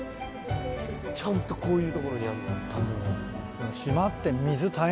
ちゃんとこういう所にあるのは。